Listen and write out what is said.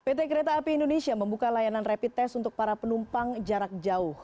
pt kereta api indonesia membuka layanan rapid test untuk para penumpang jarak jauh